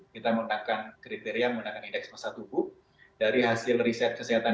kita menggunakan kriteria menggunakan indeks masa tubuh dari hasil riset kesehatan